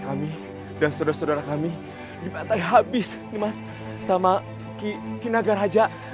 kami dan saudara saudara kami dipatahi habis mas sama ki kinaga raja